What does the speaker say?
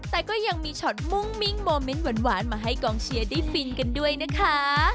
แต่ก็ยังมีช็อตมุ่งมิ้งโมเมนต์หวานมาให้กองเชียร์ได้ฟินกันด้วยนะคะ